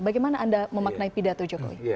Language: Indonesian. bagaimana anda memaknai pidato jokowi